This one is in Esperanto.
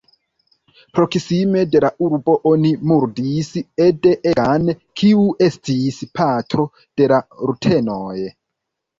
Proksime de la urbo oni murdis Ede Egan, kiu estis patro de la rutenoj.